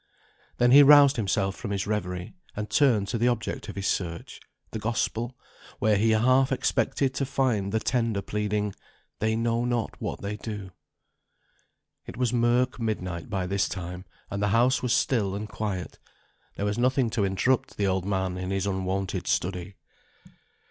Then he roused himself from his reverie, and turned to the object of his search the Gospel, where he half expected to find the tender pleading: "They know not what they do." It was murk midnight by this time, and the house was still and quiet. There was nothing to interrupt the old man in his unwonted study.